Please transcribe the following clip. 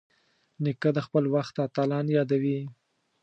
نیکه د خپل وخت اتلان یادوي.